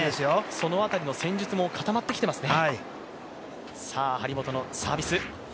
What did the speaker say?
その辺りの戦術も固まってきていますね。